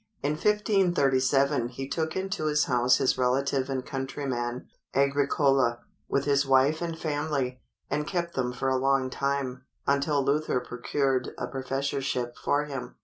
In 1537 he took into his house his relative and countryman, Agricola, with his wife and family, and kept them for a long time, until Luther procured a professorship for him.